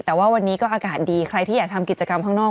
แต่ว่าวันนี้ก็อากาศดีใครที่อยากทำกิจกรรมข้างนอก